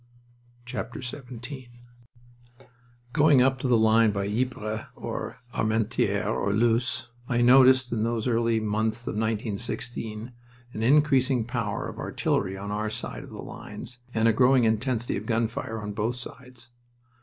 XVII Going up to the line by Ypres, or Armentieres, or Loos, I noticed in those early months of 1916 an increasing power of artillery on our side of the lines and a growing intensity of gun fire on both sides.